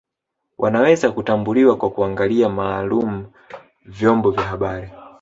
Wanaweza kutambuliwa kwa kuangalia maalum vyombo vya habari